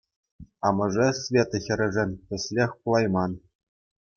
Амӑшӗ Света хӗрӗшӗн тӗслӗх пулайман.